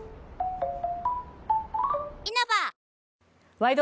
「ワイド！